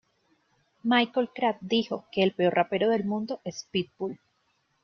Michael Cragg dijo que "el peor rapero del mundo es Pitbull.